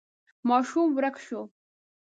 ماشوم ورک شو.